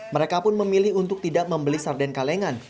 mereka pun memilih untuk tidak membeli sarden kalengan